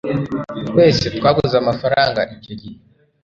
Twese twabuze amafaranga icyo gihe